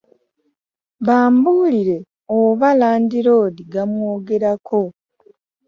Bambuulire oba landiroodi gamwogerako.